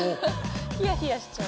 ひやひやしちゃう。